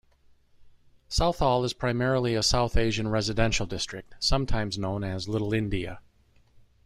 Southall is primarily a South Asian residential district, sometimes known as "Little India".